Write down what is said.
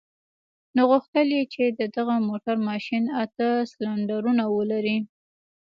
نو غوښتل يې چې د دغه موټر ماشين اته سلنډرونه ولري.